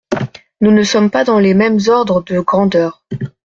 Nous ne sommes pas dans les mêmes ordres de grandeur.